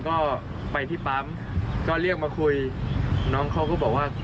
คุณธิชานุลภูริทัพธนกุลอายุ๓๔